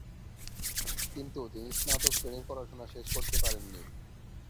কিন্তু তিনি স্নাতক শ্রেণির পড়াশোনা শেষ করতে পারেন নি।